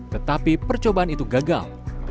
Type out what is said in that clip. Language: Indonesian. tetapi percobaan itu gagal